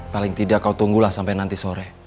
paling tidak kau tunggulah sampai nanti sore